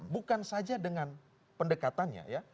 bukan saja dengan pendekatannya ya